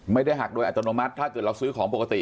ไม่ได้หักโดยอัตโนมัติถ้าเกิดเราซื้อของปกติ